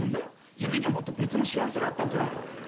自分にはもっと別の幸せがあったんじゃないかって。